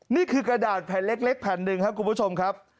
นี่คือกระดาษแผ่นเล็ก๑ครับคุณผู้ชมครับ